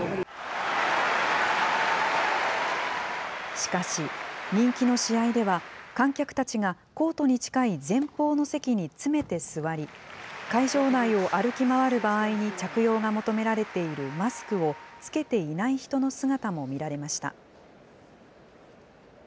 しかし、人気の試合では、観客たちがコートに近い前方の席に詰めて座り、会場内を歩き回る場合に着用が求められているマスクを着けていない人の姿も見られました。